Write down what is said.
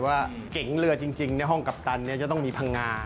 เก๋งเรือจริงในห้องกัปตันจะต้องมีพังงา